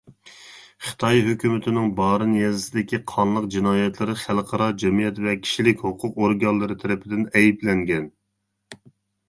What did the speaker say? خىتاي ھۆكۈمىتىنىڭ بارىن يېزىسىدىكى قانلىق جىنايەتلىرى خەلقئارا جەمئىيەت ۋە كىشىلىك ھوقۇق ئورگانلىرى تەرىپىدىن ئەيىبلەنگەن.